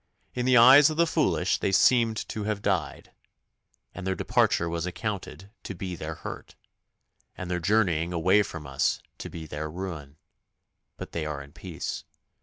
In the eyes of the foolish they seemed to have died; And their departure was accounted to be their hurt, And their journeying away from us to be their ruin, But they are in peace.